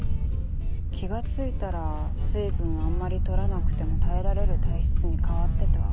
気が付いたら水分をあんまり取らなくても耐えられる体質に変わってた。